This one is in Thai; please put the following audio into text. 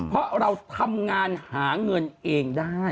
เพราะเราทำงานหาเงินเองได้